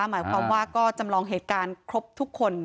หมายความว่าก็จำลองเหตุการณ์ครบทุกคน